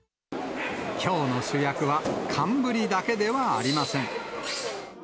きょうの主役は寒ブリだけではありません。